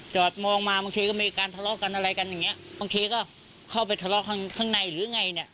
จอดมองมาบางทีก็มีการทะเลาะกันอะไรกันอย่างเงี้บางทีก็เข้าไปทะเลาะข้างข้างในหรือไงเนี่ย